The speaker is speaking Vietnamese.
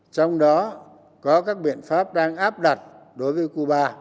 trong đó có các biện pháp đang áp đặt đối với cuba